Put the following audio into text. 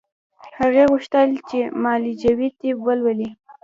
هغې غوښتل چې معالجوي طب ولولي